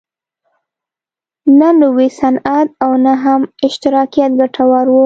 نه نوی صنعت او نه هم اشتراکیت ګټور و.